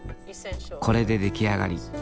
これで出来上がり。